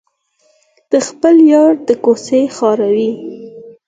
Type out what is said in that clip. د خپل یار د کوڅې خاورې.